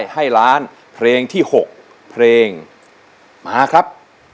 ให้ล้านเพลงที่๖เพลงมาครับ